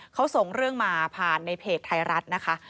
เขาส่งเรื่องมาผ่านในเพจไทยรัฐนะคะ